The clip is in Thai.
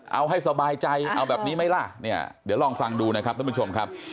เอาให้สบายใจเอาแบบนี้ไหมล่ะเนี่ยเดี๋ยวลองฟังดูนะครับท่านผู้ชมครับ